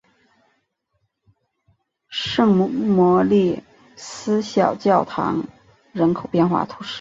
圣莫里斯小教堂人口变化图示